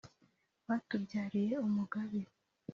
batubyarira umugabe